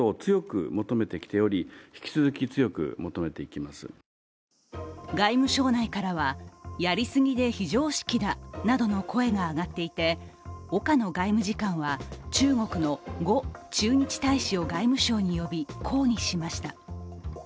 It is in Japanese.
こうした中国の動きに、日本政府は外務省内からは、やり過ぎで非常識などの声が上がっていて、岡野外務次官は中国の呉駐日大使を外務省に呼び、抗議しました。